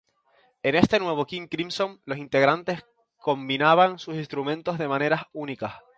En este nuevo King Crimson, los integrantes combinaban sus instrumentos de maneras únicas.